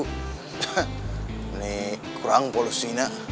mending kurang polusinya